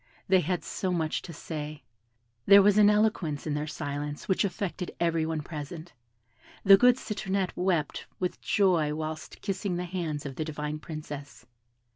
They had so much to say. There was an eloquence in their silence which affected every one present; the good Citronette wept with joy whilst kissing the hands of the divine Princess.